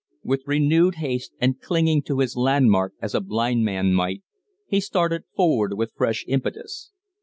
With renewed haste, and clinging to his landmark as a blind man might, he started forward with fresh impetus.